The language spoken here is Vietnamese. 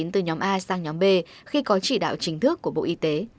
từ nhóm a sang nhóm b khi có chỉ đạo chính thức của bộ y tế